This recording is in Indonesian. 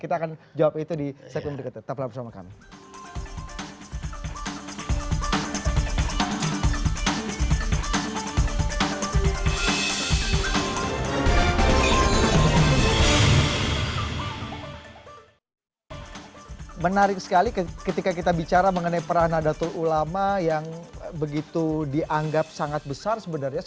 kita akan jawab itu di sekolah merdeka tetap lama bersama kami